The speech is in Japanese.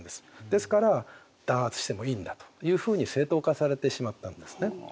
ですから弾圧してもいいんだというふうに正当化されてしまったんですね。